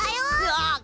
あっ！